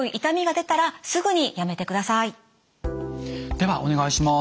ではお願いします。